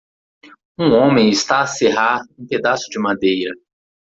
Um homem está a serrar um pedaço de madeira.